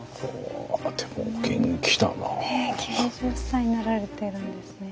９０歳になられてるんですね。